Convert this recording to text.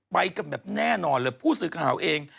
ไปกันแบบแน่นอนเลยผู้สื่อข่าวเอง